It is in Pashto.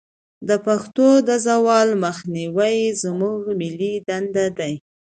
د پښتو د زوال مخنیوی زموږ ملي دندې ده.